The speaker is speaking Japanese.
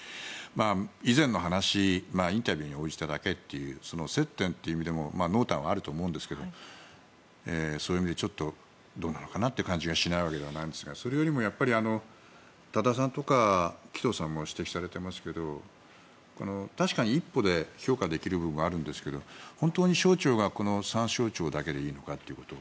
以前の話インタビューに応じただけという接点という意味でも濃淡はあるとは思いますがそういう意味ではちょっとどうかなとは思わなくもないですがそれよりも多田さんとか紀藤さんも指摘されてますけど確かに１歩で評価できる部分はあるんですけど本当に省庁がこの３省庁だけでいいのかということ。